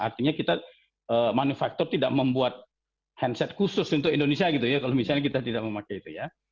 artinya kita manufaktur tidak membuat handset khusus untuk indonesia gitu ya kalau misalnya kita tidak memakai itu ya